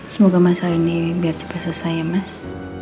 semoga masa ini biar cepat selesai ya mas